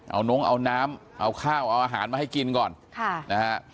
เอาน้องเอาน้ำเอาข้าวเอาอาหารมาให้กินก่อนค่ะนะฮะ